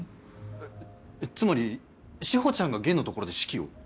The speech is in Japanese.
えっつまり志保ちゃんが弦のところで式を？